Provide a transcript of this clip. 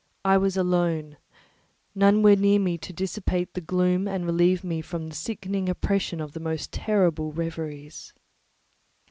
I was alone; none were near me to dissipate the gloom and relieve me from the sickening oppression of the most terrible reveries.